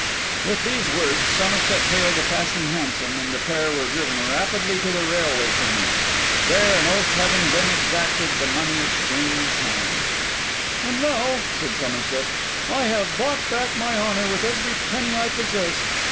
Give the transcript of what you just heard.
With these words, Somerset hailed a passing hansom; and the pair were driven rapidly to the railway terminus. There, an oath having been exacted, the money changed hands. 'And now,' said Somerset, 'I have bought back my honour with every penny I possess.